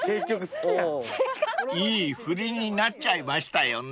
［いい振りになっちゃいましたよね］